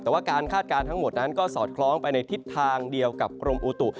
แต่ว่าการคาดการณ์ทั้งหมดนั้นก็สอดคล้องไปในทิศทางเดียวกับกรมอุตุ